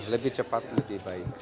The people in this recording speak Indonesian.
lebih cepat lebih baik